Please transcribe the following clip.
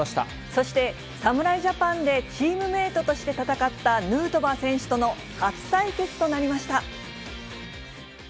そして、侍ジャパンでチームメートとして戦ったヌートバー選手との初対決となりました。